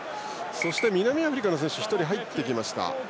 そして南アフリカの選手が１人入ってきました。